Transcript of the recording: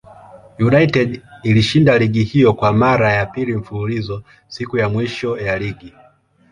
United ilishinda ligi hiyo kwa mara ya pili mfululizo siku ya mwisho ya ligi.